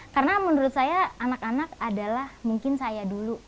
karena menurut saya anak anak adalah mungkin saya dulu